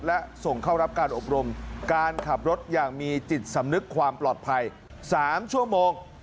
และส่งเข้ารับการอบรมการขับรถอย่างมีจิตสำนึกความปลอดภัย๓ชั่วโมง